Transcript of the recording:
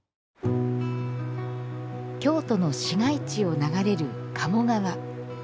京都の市街地を流れる鴨川。